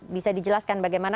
bisa dijelaskan bagaimana